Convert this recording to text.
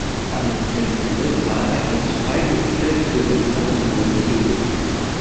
Am Kriegsende war er als Freiberufler für Luftfahrtunternehmen tätig.